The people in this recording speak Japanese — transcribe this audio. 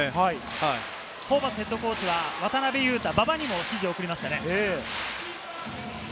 ホーバスＨＣは渡邊雄太、馬場にも指示を送りましたね。